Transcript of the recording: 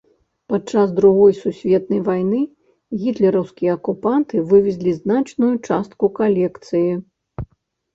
Падчас другой сусветнай вайны гітлераўскія акупанты вывезлі значную частку калекцыі.